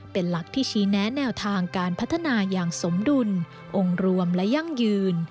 เป็นหลักที่ชี้แนะแนวทางการพัฒนาอย่างสมดุลองค์รวมและยั่งยืน